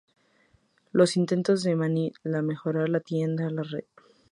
Los intentos de Manny de mejorar la tienda y la residencia a menudo fracasan.